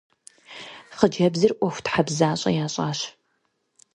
Хъыджэбзыр ӀуэхутхьэбзащӀэ ящӀащ.